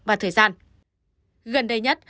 và thời gian gần đây nhất